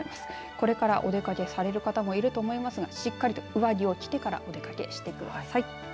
これからお出かけされる方もいると思いますがしっかりと上着を着てからお出掛けしてください。